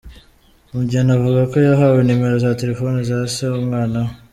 Mugeni avuga ko yahawe nimero za telefoni za se w’umwana we.